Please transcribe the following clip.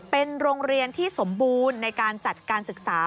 เป็นโรงเรียนที่สมบูรณ์ในการจัดการศึกษา